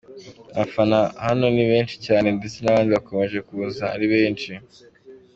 Abafana hano ni benshi cyane, ndetse n'abandi bakomeje kuza ari benshi.